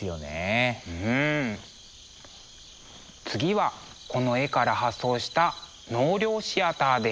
次はこの絵から発想した「納涼シアター」です。